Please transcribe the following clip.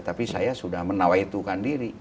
tapi saya sudah menawaitukan diri